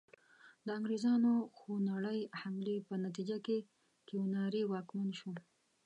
د انګریزانو خونړۍ حملې په نتیجه کې کیوناري واکمن شو.